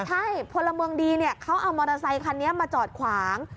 ใช่พลเมืองดีเขาเอามอเตอร์ไซคันนี้มาจอดขวาง